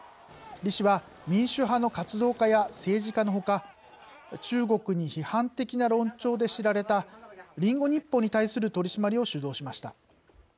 李氏は民主派の活動家や政治家のほか中国に批判的な論調で知られた「リンゴ日報」に対する取締りを主導しました。